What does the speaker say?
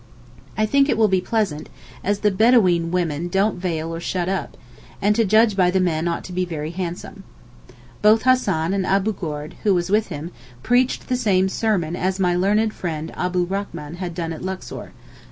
I think it will be pleasant, as the Bedaween women don't veil or shut up, and to judge by the men ought to be very handsome. Both Hassan and Abu Goord, who was with him, preached the same sermon as my learned friend Abdurrachman had done at Luxor.